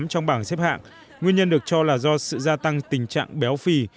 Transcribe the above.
trong bảng xếp hạng nguyên nhân được cho là do sự gia tăng tình trạng béo phì